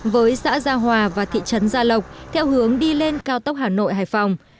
với xã gia hòa và thị trấn gia lộc theo hướng đi lên cao tốc hà nội hải phòng